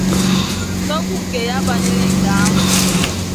N'okwu nke ya banyere nke ahụ